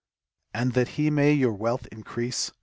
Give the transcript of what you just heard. I And that he may your wealth increase